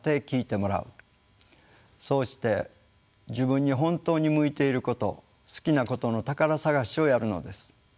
そうして自分に本当に向いていること好きなことの宝探しをやるのです。